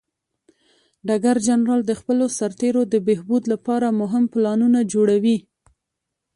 ډګر جنرال د خپلو سرتیرو د بهبود لپاره مهم پلانونه جوړوي.